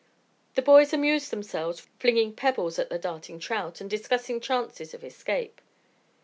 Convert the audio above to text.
The boys amused themselves flinging pebbles at the darting trout and discussing chances of escape.